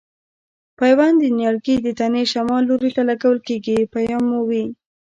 پیوند د نیالګي د تنې شمال لوري ته لګول کېږي پام مو وي.